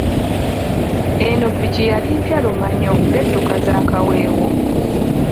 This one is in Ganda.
Eno ppiki yali mpya lumamyo ng’edduka za kaweewo.